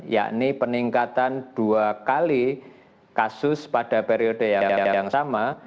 yakni peningkatan dua kali kasus pada periode yang sama